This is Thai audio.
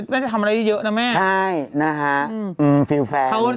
ไม่ได้ทำอะไรเยอะนะแม่ใช่นะฮะอืมอืมเฟียร์แฟน